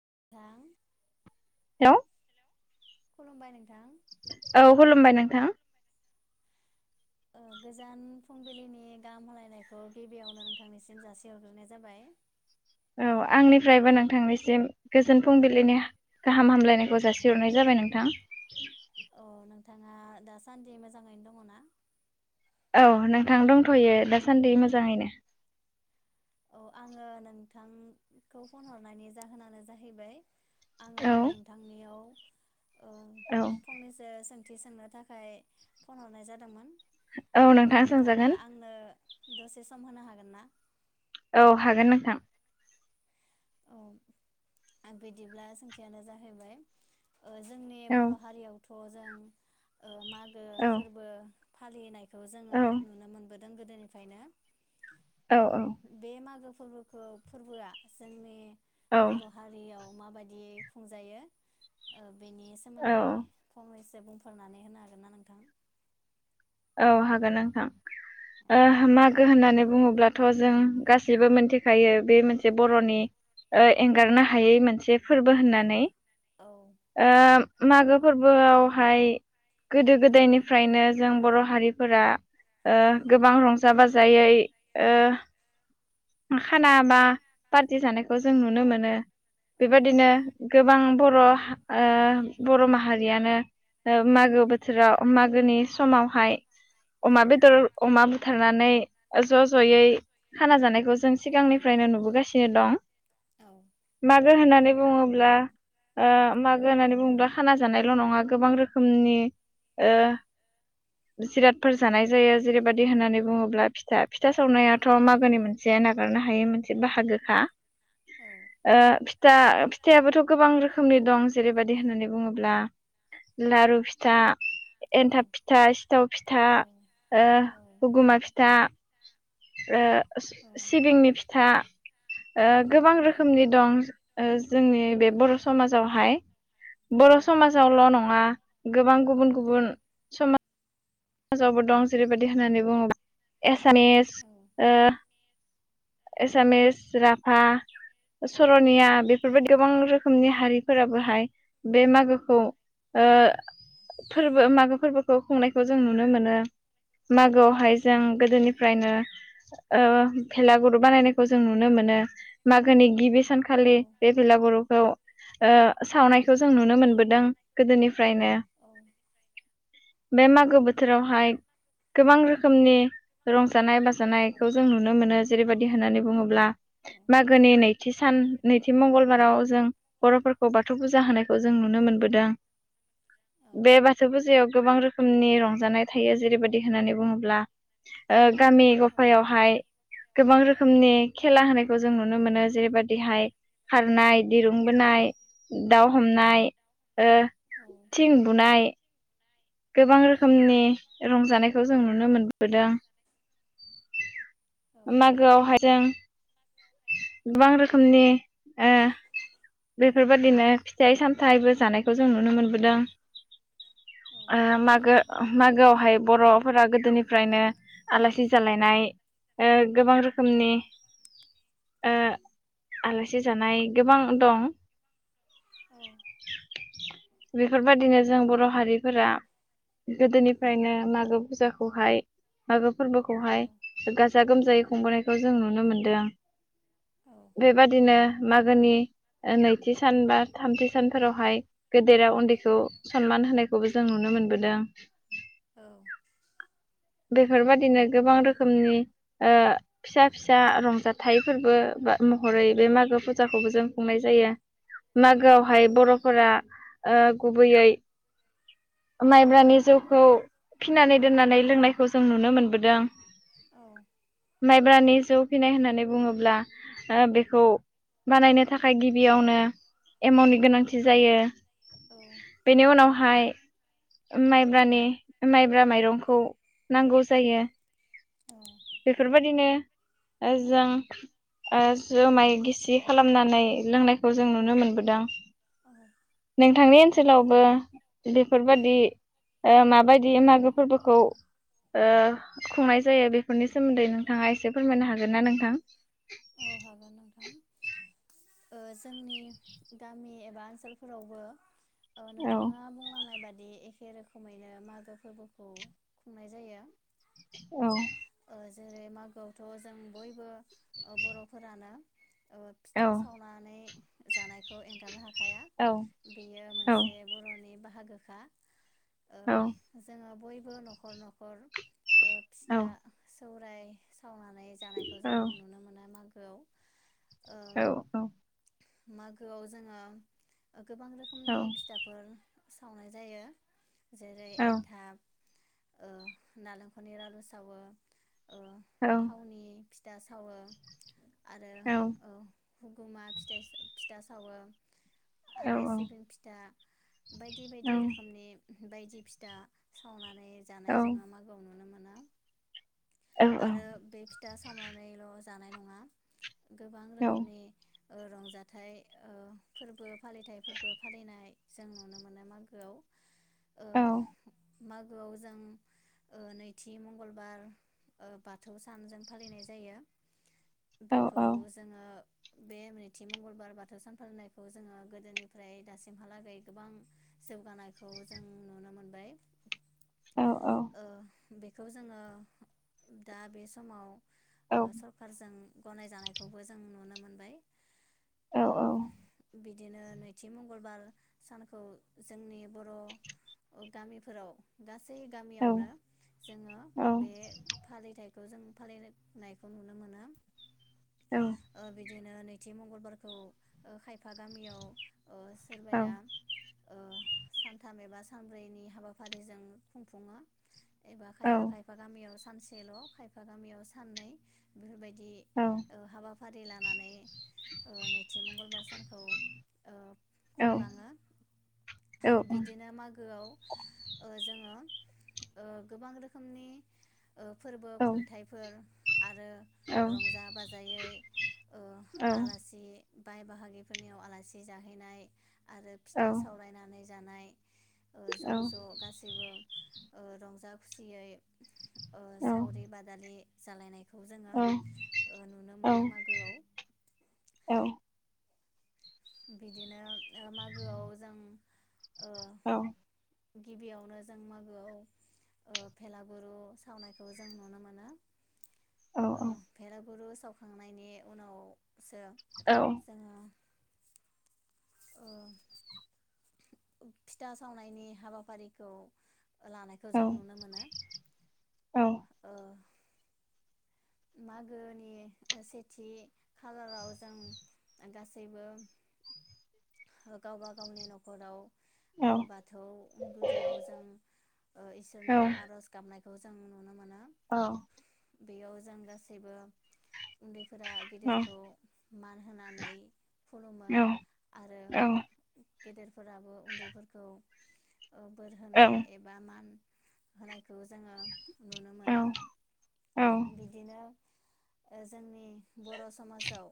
[inaudible] Hello खुलुमबाय नोंथां औ खुलुमबाय नोंथां। ओ गोजान फुंबिलिनि गाहाम हालायनायखौ गिबियावनो नोंथांनिसिम जासिहरग्रोनाय जाबाय। औ आंनिफ्रायबो नोंथांनिसिम गोजोन फुंबिलिनि हा गाहाम हामलायनायखौ जासि हरनाय जाबाय नोंथां। अ नोंथाङा दासान्दि मोजाङैनो दङ ना? औ नोंथां दंथ'यो दासान्दि मोजाङैनो। औ आङो नोंथांखौ फन हरनायनि जाहोनानो जाहैबाय आङो औ नोंथांनियाव ओ औ फंनैसो सों थि सोंनो थाखाय फन हरनाय जादोंमोन। औ ओ नोंथां नोंथाङा सोंजागोन। आंनो दसे सम होनो हागोन ना? औ हागोन नोंथां। औ आं बिदिब्ला सोंथियानो जाहैबाय ओ जोंनि औ बर' हारियाव थु अ जों ओ मागो औ फोरबो फालिनाय खौ जोङो औ नुनो मोनबो दों गोदोनिफ्रायनो। औ ओ बे मागो फोरबोखौ फोरबोआ जोंनि औ बर' हारियाव मा बादियै खुंजायो ओ बेनि सोमोनदै औ फंनैस सो बुंफोरनानै होनो हागोन ना नोंथां? औ हागोन नोंथां। ओ मागो होननानै बुङोब्लाथ' जों गासैबो मोनथिखायो बे मोनसे बर'नि ओ एंगारनो हायै मोनसे फोरबो होननानै। औ ओ मागो फोरबोयावहाय गोदो-गोदायनिफ्रायनो जों बर' हारिफोरा ओ गोबां रंजा-बाजायै ओ खाना बा पार्टि जानायखौ जों नुनो मोनो। औ बेबादिनो गोबां बर' ओ बर' माहारियानो ओ मागो बोथोराव मागोनि समावहाय अमा बेदर अमा बुथारनानै ज' ज'यै खाना जानायखौ जों सिगांनिफ्रायनो नुबोगासिनो दं। औ मागो होननानै बुङोब्ला ओ मागो होननानै बुङोब्ला खाना जानायल' नङा गोबां रोखोमनि ओ जिरादफोर जानाय जायो जेरैबायाददि होननानै बुङोब्ला फि था औ फिथा औ सावनायाथ' मागोनि मोन से नागारना हायै मोनसे औ बाहागोखा औ ओ फिथा फिथायाबोथ' गोबां रो खोमनि दं। जेरैबादि होननानै बुङोब्ला लारु फिथा, औ एनथाब फिथा, सिथाव फिथा, ओ हगुमा फिथा ओ सिबिंनि फिथा ओ गोबां रोखोमनि दं ओ जोंनि बे बर' समाजावहाय बर' समाजावल' नङा गोबां गुबुन गुबुन समा जावबो दं जेरबायदि होननानै बुङो बा एस सामिस ओ एसामिस, राभा, सर'निया बेफोरबायदि गोबां रोखोमनि हारिफोराबो हाय बे मागोखौ ओ फोर बो मागो फोरबोखौ खुंनायखौ जों नुनो मोनो मागोआव हाय जों गोदोनिफ्रायनो ओ भेलागुर बानायनायखौ जों नुनो मोनो। मागोनि गिबि सानखालि बे भेलागुरखौ ओ सावनाय खौ जों नुनो औ मोनबोदों गोदोनिफ्रायनो। बे माग बोथोरावहाय गोबां रोखोमनि रंजानाय बाजानायखौ जों नुनो मोनो जेरैबायदि होननानै बुङोब्ला मागोनि नैथि सान नैथि मंगलबाराव जों बर'फोरखौ बाथौ फुजा होनायखौ जों नुनो मोनबोदों। औ बे बाथौ फुजायाव गोबां रोखोमनि रं जानाय थायो जेरैबादि बुङोब्ला ओ गामि औ गफायावहाय गोबां रोख रोखोमनि खेला होनायखौ जों नुनो मोनो जेरैबायदि हाय खारनाय दिरुं बोनाय दाउ हमनाय ओ थिं बुनाय गोबां रोखोमनि रंजाना नायखौ जों नुनो मोनबोदों मागोआवहाय जों गोबां रोखोमनि ओ बेफोरबायदिनो फिथाइ सामथाइबो जानायखौ जों नुनो मोनबोदों आ मागो मागोआवहाय बर'फोरा गोदोनिफ्रायनो आलासि जालायनाय ओ गोबां रोखोमनि ओ आलासि जानाय गोबां दं औ बेफोरबायदिनो जों बर' हारिफोरा गोदोनिफ्रायनो मागो फुजाखौहाय मागो फोरबोखौहाय गाजा गोमजायै खुंबोनायखौ जों नुनो मोनदों बेबादिनो मागोनि ओ नैथि सान बा थामथि सानफोरावहाय गेदेरा उन्दैखौ सनमान होनाय खौबो जों नुनो मोनबोदों बेफोरबादिनो गोबां रोखोमनि ओ फिसा फिसा रंजाथ थाइ फोरबो बा महरै बे मागो फुजाखौबो जों खुंनाय जायो। मागोआवहाय बर'फोरा ओ गुबैयै माइब्रानि औ जौखौ फिनानै दोननानै लोंनायखौ जों नुनो मोनबोदों औ औ माइब्रानि जौ फिनाय होननानै बुङोब्ला बेखौ बानायनो थाखाय गिबियावनो एमावनि गोनांथि जायो बेनि उनावहाय माइब्रानि माइब्रा माइरंखौ नांगौ जायो बेफोरबायदिनो ओ जा ओ जुमाय गिसि खालामनानै लोंनायखौ जों नुनो मोनबोदों नोंथांनि ओनसोलावबो बेफोरबादि ओ माबायदि मागो फोरबोखौ ओ खुंनाय जायो बेफोरनि सोमोन्दै नोंथाङा एसे फोरमायनो हागोन ना नोंथां? [inaudible] औ हागोन नोंथां ओ जोंनि गामि एबा ओनसोलफोरावबो औ औ नोंथाङा बुंलांनाय बादि बिदि एखे रोखोमैनो मागो फोरबोखौ खुंनाय जायो औ ओ जेरै मागोआवथ' जों बयबो बर'फोरानो ओ औ फिथा सावनानै जानायखौ एंगारनो हाया औ बेयो मोनसे बर'नि बा बाहागोखा ओ औ जोङो बयबो बो न'खर न'खर ओ औ फिथा सौराय सावनानै जानायखौ जों नुनो मोनो मागोआव ओ औ मागोआव जोङो गोबां औ रोखोमनि फिथाफोर सावनाय जायो जेरै औ एन्थाब ओ नालेंखरनि रालु सावो ओ थावनि फिथा सावो आरो औ हुगुमा फिथाइस फि था सावो आरो सिबिं फिथा बायदि बायदि रोखोमनि बायदि फिथा सावना नै जानाय औ जोङो माागोआव नुनो मो औ [unintelligible] औ आरो बे फि था सावनानै जानाय नङा गोबां औ रोखोमनि ओ रंजाथाइ ओ फोरबो फालिथाइफोरबो फालिनाय जों नुनो मोनो मागोआव ओ औ। मागोआव जों ओ नैथि मंगलबार ओ बाथौ सान जों फालिनाय जायो। औ बेखौ औ जोङो बे नैथि मंगलबार बाथौ सान फालिनायखौ जोङो गोदोनिफ्राय दासिमहालागै गोबां जौगानायखौ जों नुनो मोनबाय। औ औ। ओ बेखौ जोङो दा बे समाव औ। खारजों गनाय जानायखौबो जों नुनो मोनबाय। ओ बि दिनो नैथि मंगलबार सानखौ जोंनि बर' गामिफोराव गा सै औ गामियावनो जोङो औ बे फालिथाय खौ जों फालिनायखौ नु औ। दिनो नैथि मंगलबारखौ खायफा गामियाव ओ सोरबाया औ ओ सानथाम एबा सानब्रैनि हाबाफारिजों खुंफुङो एबा खायफा खायफा गामियाव सानसेल' खायफा गामियाव साननै दि औ हाबा फारि लानानै नैथि मंगलबार सानखौ खुंलाङो। बिदिनो मागोआव ओ जों ओ गोबां रोखोमनि ओ फोरबो खुंथाइफोर आरो रंजा बाजायै ओ आलासि बाय बाहागिफोरनियाव आलासि जाहैनाय आरो फिथा सावरायनानै जानाय ओ ज' ज' गासैबो ओ रंजा खुसियै ओ सावरि बादालि जालायनायखौ जों औ औ औ बिदिनो ओ मागोआव जों ओ गिबियावनो जों मागोआव भेलागुरु सावनायखौ जों नुनो मोनो अ भेलागुरु सावखांनायनि उनाव जो जोङो ओ फिथा सावनायनि हाबाफारिखौ लानायखौ औ जों नुनो मोनो मागोनि सेथि खालाराव जों गासैबो गावबा गावनि न'खराव बाथौ गुदियाव जों इसोरनाव आर'ज गाबनाय खौ जों नुनो मोनो औ बेयाव जों गासैबो उनदै फोरा गेदेरखौ मान होनानै खुलुमो आरो गेदेरफोराबो उनदैफोरखौ औ बोर होनाय एबा मान होनायखौ जोङो नुनो मोनो बिदिनो जोंनि बर' समाजाव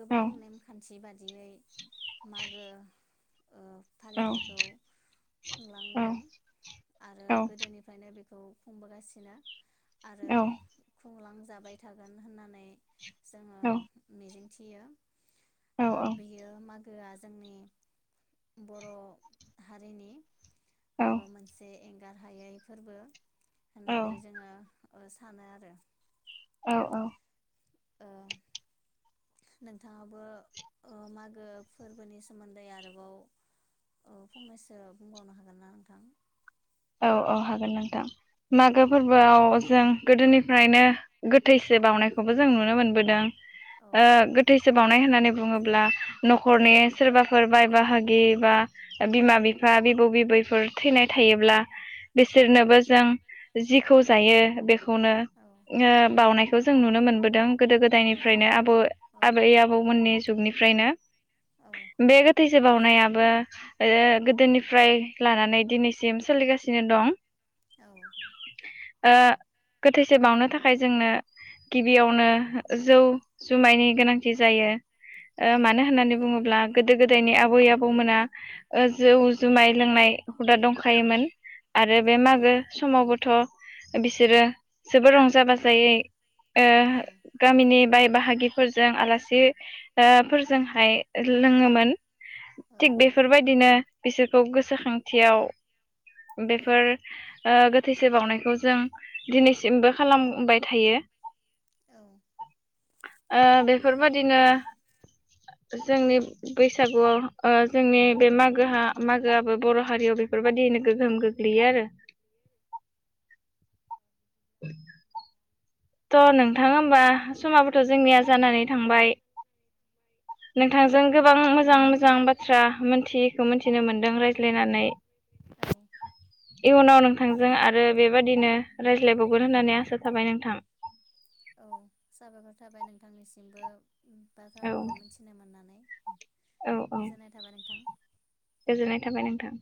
गोबां ओ नेमखान्थि बादि यै मागो ओ फालिथायखौ खुंलांदों आरो गोदोनिफ्रायनो बेखौ खौ खुंबोगासिनो आरो खुंलांजाबाय थागोन होननानै औ मिजिं थियो। ओ बेयो मा जौआ जोंनि बर' हारिनि ओ मोनसे गाहायै फोरबो होननानै औ जोङो ओ सानो आरो। औ औ। ओ नोंथाङाबो मागो फोरबोनि सोमोन्दै आरोबाव ओ फंनैसो बुंबावनो हागोन ना नोंथां? औ औ हागोन नोंथां। मागो फोरबोआव जों गोदोनिफ्रायनो गोथैसो बावनायखौबो जों नुनो मोनबोदों। औ ओ औ गोथैसो बावनाय होननानै बुङो न'खरनि सोरबाफोर बाय बाहागि बा बिमा-बिफा, बिबौ-बिबैफोर थैनाय थायोब्ला औ बिसोरनोबो जों जिखौ जायो बेखौ खौनो औ ओ बाउनायखौ खौ जों नुनो मोनबोदों। औ गोदो-गोदायनिफ्रायनो आबौ औ आबै आबौमोननि समनिफ्रायनो बे गोथै सि बावनायाबो ओ गोदोनिफ्राय लानानै दिनैसिम सोलिगासिनो नो दं। औ। ओ गोथैसि बावनो थाखाय जोंनो गिबियावनो जौ जुमायनि गोनांथि जायो। ओ औ मानो होननानै बुङोब्ला गोदो गोदायनि आबै आबौमोना जौ जुमाय लोंनाय हुदा दंखायोमोन। आरो बे मागो समावबोथ' बिसोरो जोबोर रंजा-बाजायै ओ गामिनि बाय बाहागि फोरजों आलासि फोरजोंहाय लोङोमोन थिग बेफोर बायदिनो बिसोरखौ गोसोखांथियाव बेफोर ओ गो थैसो बावनायखौ जों दिनै सिम बो खालामबाय थायो ओ औ बे बेफोरबायदिनो जोंनि बैसागुआव जोंनि बे माग गोहा मागोआबो बर' हारियाव बेफोर बायदियैनो गोहोम गो आरो [unintelligible] थ' नोंथां होमबा समाबोथ' जोंनिया जानानै थांबाय नोंथांजों गोबां मोजां मोजां बाथ्रा मोनथियैखौ मोनथिनो मोनदों रायज्लायनानै औ औ इयुनाव नोंथांजों आरो बेबादिनो रायज्लायबावगोन होननानै आसा थाबाय नोंथां औ साबायखर थाबाय नोंथांनिसिमबो औ बाथ्राफोरखौ मिथिनो मोननानै औ औ गोजोननाय थाबाय नोंथां। गोजोननाय थाबाय नोंथां